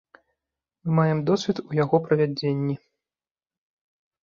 Мы маем досвед у яго правядзенні.